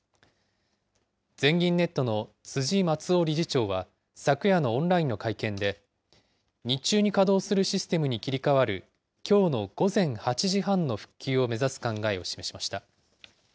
全銀ネットの辻松雄理事長は昨夜のオンラインの会見で、日中に稼働するシステムに切り替わるきょうの午前８時半の復旧を目指す考えを示しました。